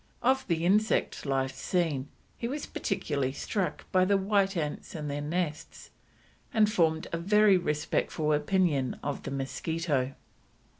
Of the insect life seen, he was particularly struck by the white ants and their nests, and formed a very respectful opinion of the mosquito.